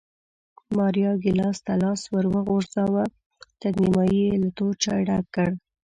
ماریا ګېلاس ته لاس ور وغځاوه، تر نیمایي یې له تور چای ډک کړ